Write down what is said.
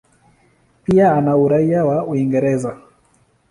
Pia ana uraia wa Uingereza.